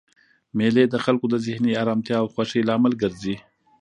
مېلې د خلکو د ذهني ارامتیا او خوښۍ لامل ګرځي.